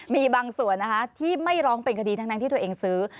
มีบางส่วนนะคะที่ไม่ร้องเป็นคดีทั้งที่ตัวเองซื้อ